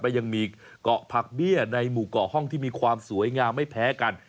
และยังมีเกาะผักเบี้ยในหมู่เกาะห้องที่มีความสวยงามไม่แพ้กัน